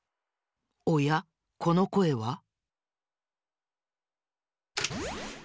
おやこのこえは？